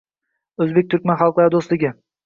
O‘zbek – turkman xalqlari do‘stligi tarannum etildi